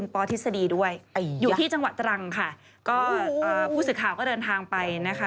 ผู้ศึกข่าวก็เดินทางไปนะคะ